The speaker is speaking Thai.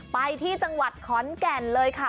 ไปที่จังหวัดขอนแก่นเลยค่ะ